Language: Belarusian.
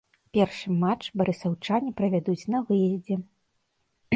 Першы матч барысаўчане правядуць на выездзе.